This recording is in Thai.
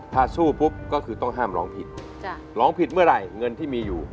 ถ้าสู้ปุ๊บก็คือต้องห้ามร้องผิดร้องผิดเมื่อไหร่เงินที่มีอยู่